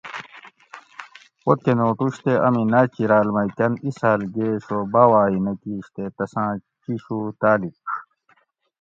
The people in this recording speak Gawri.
پتکہۤ نوٹوش تے امی ناۤچیراۤل مئ کۤن ایسال گیش او باۤواۤ ای نہ کِیش تے تساں چیشو تالیڄ